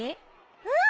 うん。